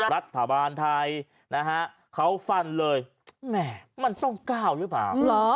รัฐบาลไทยนะฮะเขาฟันเลยแหม่มันต้องก้าวหรือเปล่า